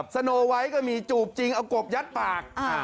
สโนไว้ก็มีจูบจริงเอากบยัดปาก